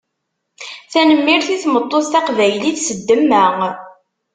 Tanemmirt i tmeṭṭut taqbaylit s demma.